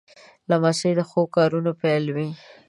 لمسی د ښو کارونو پیل وي.